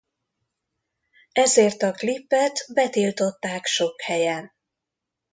Ezért a klipet betiltották sok helyen.